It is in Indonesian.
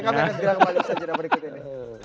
kami akan segera kembali ke sejenis berikutnya